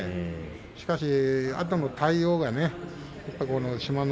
しかしあとの対応がやっぱり志摩ノ